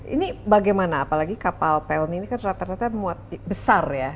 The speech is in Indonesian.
ini bagaimana apalagi kapal pelni ini kan rata rata besar ya